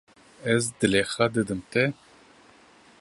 Ez dilê xwe didim te.